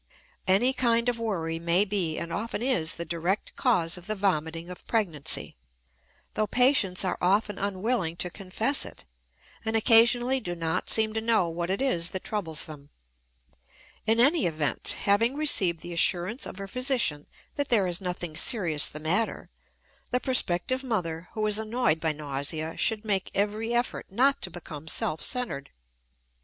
Any kind of worry may be and often is the direct cause of the vomiting of pregnancy, though patients are often unwilling to confess it; and occasionally do not seem to know what it is that troubles them. In any event, having received the assurance of her physician that there is nothing serious the matter, the prospective mother who is annoyed by nausea should make every effort not to become self centered.